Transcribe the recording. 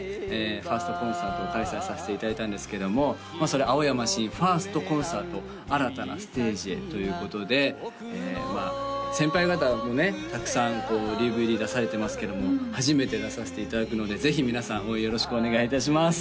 ファーストコンサートを開催させていただいたんですけどもそれ「青山新ファーストコンサート新たなステージへ」ということで先輩方もねたくさんＤＶＤ出されてますけども初めて出さしていただくのでぜひ皆さん応援よろしくお願いいたします